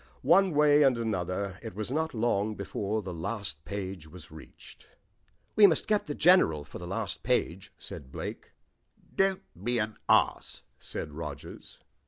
One way and another it was not long before the last page was reached. "We must get the General for the last page," said Blake. "Don't be an ass," said Rogers.